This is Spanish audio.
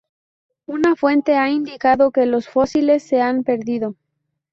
Una fuente ha indicado que los fósiles se han perdido.